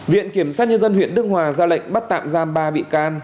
viện kiểm sát nhân dân huyện đức hòa ra lệnh bắt tạm giam ba bị can